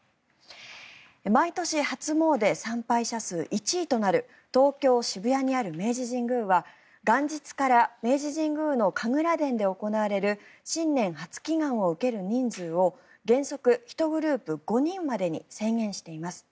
毎年、初詣参拝者数１位となる東京・渋谷にある明治神宮は元日から明治神宮の神楽殿で行われる新年初祈願を受ける人数を原則１グループ５人までに制限しています。